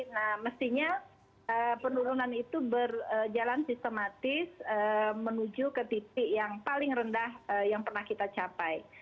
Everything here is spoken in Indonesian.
nah mestinya penurunan itu berjalan sistematis menuju ke titik yang paling rendah yang pernah kita capai